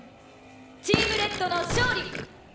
「チームレッドの勝利！」